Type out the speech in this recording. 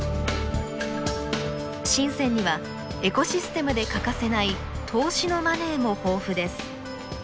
深にはエコシステムで欠かせない投資のマネーも豊富です。